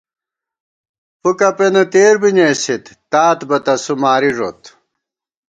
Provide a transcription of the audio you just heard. فُوکہ پېنہ تېربِی نېسِت ، تات بہ تسُو ماری ݫُوت